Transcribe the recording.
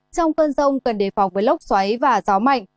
trong cơn rông cần đề phòng với lốc xoáy và gió mạnh